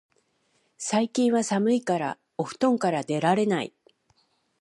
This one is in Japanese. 最近は寒いからお布団から出られない